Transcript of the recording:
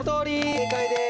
正解です！